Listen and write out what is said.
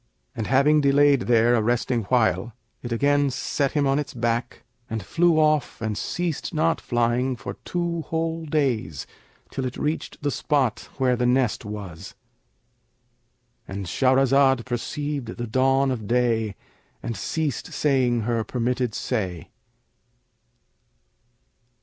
And having delayed there a resting while, it again set him on its back and flew off and ceased not flying for two whole days till it reached the spot where the nest was."—And Shahrazad perceived the dawn of day and ceased saying her permitted say.